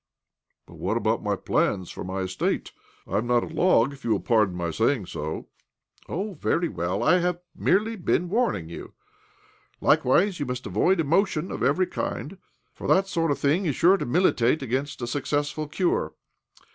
" But what about my plans for my estate ? I am not a log, if you will pardon my saying so." " Oh, very well. I have merely been warning you. Likewise, you must avoid emotion of every kind, for that sort of thing is sure to militate against a successful cure.